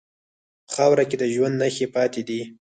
په خاوره کې د ژوند نښې پاتې دي.